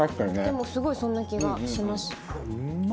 でもすごいそんな気がします。